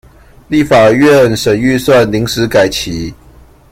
立法院審預算臨時改期